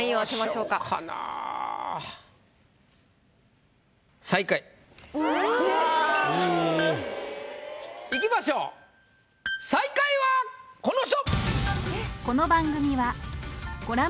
・うわ・いきましょう最下位はこの人！